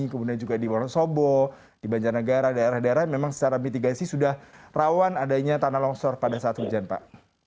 kemudian juga di wonosobo di banjarnegara daerah daerah yang memang secara mitigasi sudah rawan adanya tanah longsor pada saat hujan pak